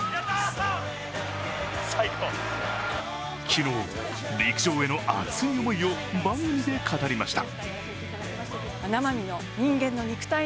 昨日、陸上への熱い思いを番組で語りました。